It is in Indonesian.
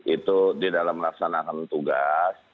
itu di dalam melaksanakan tugas